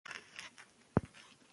پښتو پوهه خبري سموي.